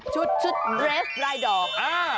ชุดชุดเดรสลายดอก